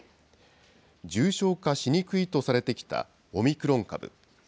重症化しにくいとされてきたオミクロン株。